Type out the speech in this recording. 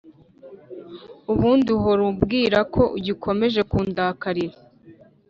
ubundi uhora ubwirako ugikomeje kundakarira